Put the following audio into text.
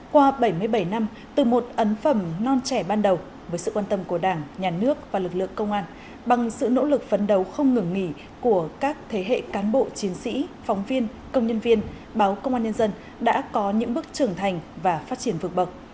qua bảy mươi bảy năm từ một ấn phẩm non trẻ ban đầu với sự quan tâm của đảng nhà nước và lực lượng công an bằng sự nỗ lực phấn đấu không ngừng nghỉ của các thế hệ cán bộ chiến sĩ phóng viên công nhân viên báo công an nhân dân đã có những bước trưởng thành và phát triển vượt bậc